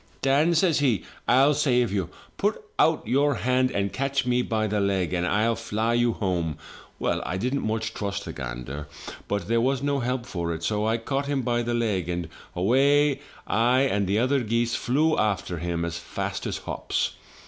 " *Dan/ says he, Til save you; put out your hand and catch me by the leg, and I'll fly you home/ Well, I didn't much trust the gander, but there was no help for it. So I caught him by the leg, and away I and the other geese flew after him as fast as hops.